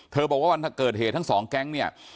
บอกว่าวันเกิดเหตุทั้งสองแก๊งเนี่ย